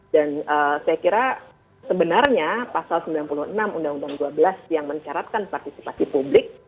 dan saya kira sebenarnya pasal sembilan puluh enam undang undang dua belas yang mencaratkan partisipasi publik